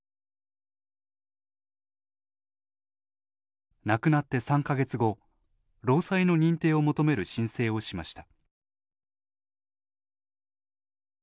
娘は亡くなって３か月後労災の認定を求める申請をしました。